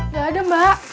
nggak ada mbak